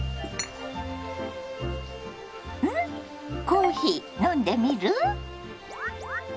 コーヒー飲んでみる？